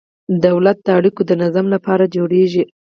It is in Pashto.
دولت د اړیکو د نظم لپاره جوړیږي.